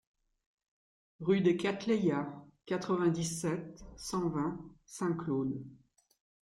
Rue des Cattleyas, quatre-vingt-dix-sept, cent vingt Saint-Claude